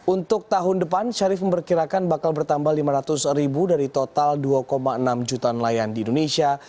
untuk tahun depan syarif memperkirakan bakal bertambah lima ratus ribu dari total dua enam juta nelayan di indonesia